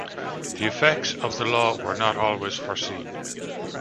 The effects of the law were not always foreseen.